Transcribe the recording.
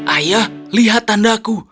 ayah lihat tandaku